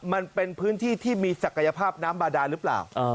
มันเป็นพื้นที่ที่มีศักยภาพน้ำบาดาหรือเปล่า